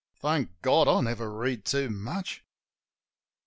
Thank God I never read too much!)